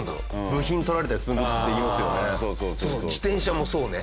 部品盗られたりするっていいますよね。